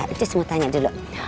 itu semua tanya dulu